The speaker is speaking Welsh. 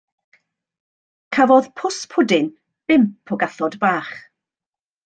Cafodd Pws Pwdin bump o gathod bach.